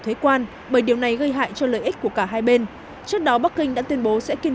thuế quan bởi điều này gây hại cho lợi ích của cả hai bên trước đó bắc kinh đã tuyên bố sẽ kiên